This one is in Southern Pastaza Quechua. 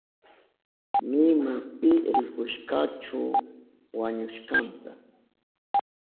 Nima pi rikushkachu wañushkanta.